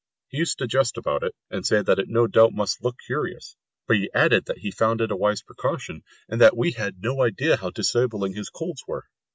He used to jest about it, and say that it no doubt must look curious; but he added that he had found it a wise precaution, and that we had no idea how disabling his colds were.